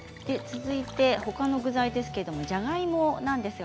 続いて、ほかの具材ですけれどじゃがいもなんです。